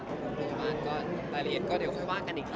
ใช่ครับได้ครับ